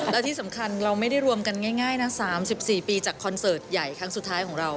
และที่สำคัญเราไม่ได้รวมกันง่ายนะ๓๔ปีจากคอนเสิร์ตใหญ่ครั้งสุดท้ายของเรา